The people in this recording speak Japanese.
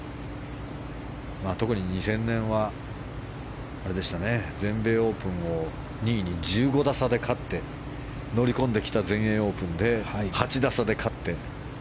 特に２０００年は全米オープンを２位に１５打差で勝って乗り込んできた全英オープンで８打差で勝って。